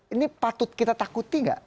ini patut kita takuti nggak